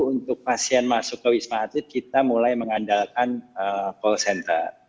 untuk pasien masuk ke wisma atlet kita mulai mengandalkan call center